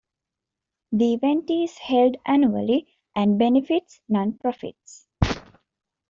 The event is held annually, and benefits non-profits.